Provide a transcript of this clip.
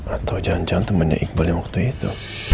atau jangan jangan temannya iqbal yang waktu itu